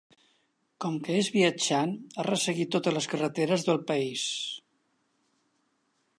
Com que és viatjant, ha resseguit totes les carreteres del país.